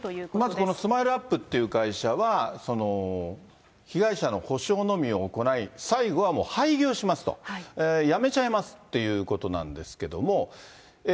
まずこのスマイルアップって会社は、被害者の補償のみを行い、最後はもう廃業しますと、やめちゃいますっていうことなんですけども。